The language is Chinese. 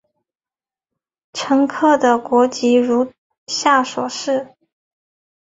乘客的国籍如下所示。